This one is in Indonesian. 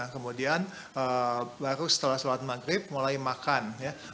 kemudian baru setelah sholat maghrib mulai makan ya